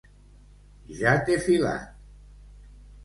Ja t'he filat!